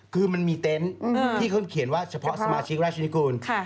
คือมันมีเต็นต์ที่เขาเขียนว่าเฉพาะสมาชิกราชนิกูล